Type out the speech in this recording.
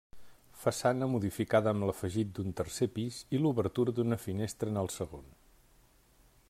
Façana modificada amb l'afegit d'un tercer pis i l'obertura d'una finestra en el segon.